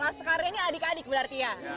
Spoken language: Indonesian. laskarnya ini adik adik berarti ya